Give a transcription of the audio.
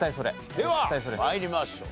では参りましょう。